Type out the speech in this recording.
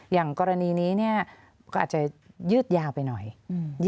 อย่างกรณีนี้เนี่ยก็อาจจะยืดยาวไปหน่อย